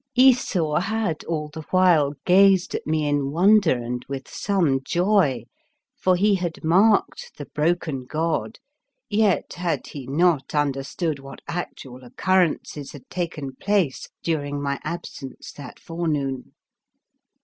Esau had all the while gazed at me in wonder and with some joy, for he had marked the broken god, yet had he not understood what actual occur rences had taken place during my ab sence that forenoon.